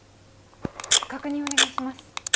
確認お願いします。